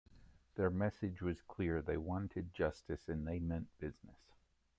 Their message was clear: They wanted justice and they meant business.